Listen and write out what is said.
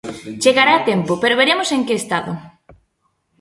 Chegará a tempo pero veremos en que estado.